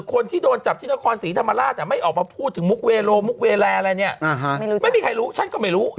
คนที่โดนจับที่นครศรีธรรมราชไม่ออกมาพูดถึงมุกเวโลมุกเวแลอะไรเนี่ยไม่รู้ไม่มีใครรู้ฉันก็ไม่รู้